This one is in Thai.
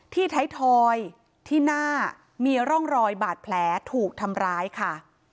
ไทยทอยที่หน้ามีร่องรอยบาดแผลถูกทำร้ายค่ะ